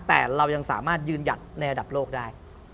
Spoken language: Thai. แต่เรายังสามารถยืนหยัดในระดับโลกได้